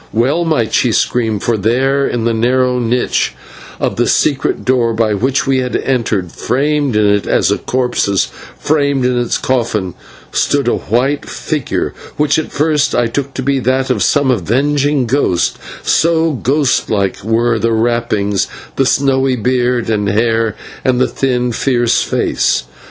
Well might she scream, for there in the narrow niche of the secret door by which we had entered, framed in it as a corpse is framed in its coffin, stood a white figure which at first I took to be that of some avenging ghost, so ghostlike were the wrappings, the snowy beard and hair, and the thin, fierce face.